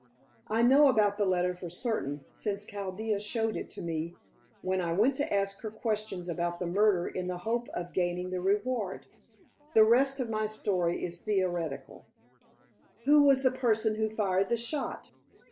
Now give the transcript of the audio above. I know about the letter for certain, since Chaldea showed it to me, when I went to ask questions about the murder in the hope of gaining the reward. The rest of my story is theoretical." "Who was the person who fired the shot?"